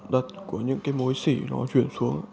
đặt của những cái mối xỉ nó chuyển xuống